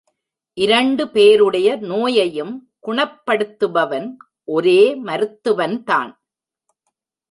இரண்டு பேருடைய நோயையும் குணப்படுத்துபவன் ஒரே மருத்துவன் தான்.